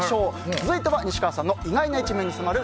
続いては西川さんの意外な一面に迫る